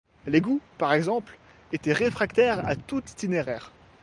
L'égout, par exemple, était réfractaire à tout itinéraire.